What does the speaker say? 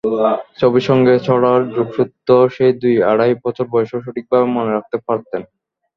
ছবির সঙ্গে ছড়ার যোগসূত্র সেই দুই-আড়াই বছর বয়সেও সঠিকভাবে মনে রাখতে পারতেন।